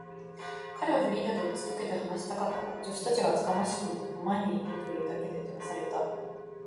彼はフリーダとうちとけて話したかったが、助手たちが厚かましくも目の前にいるというだけで、じゃまされた。